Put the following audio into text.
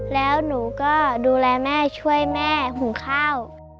แล้วหนูก็ดูแลแม่ช่วยแม่หุงข้าว